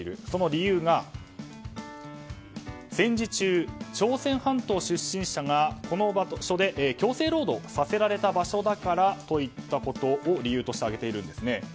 その理由が戦時中、朝鮮半島出身者がこの場所で強制労働させられた場所だからと言ったことを理由として挙げているんです。